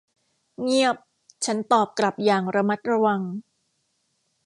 เงียบ ฉันตอบกลับอย่างระมัดระวัง